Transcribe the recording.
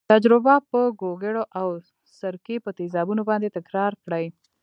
تجربه په ګوګړو او سرکې په تیزابونو باندې تکرار کړئ.